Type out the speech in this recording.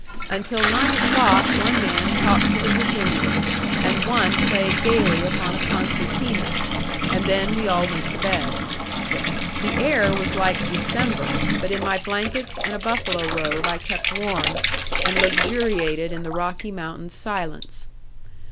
Until nine o'clock one man talked to the Virginian, and one played gayly upon a concertina; and then we all went to bed. The air was like December, but in my blankets and a buffalo robe I kept warm, and luxuriated in the Rocky Mountain silence.